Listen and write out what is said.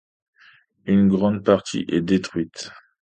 Une grande partie est détruite.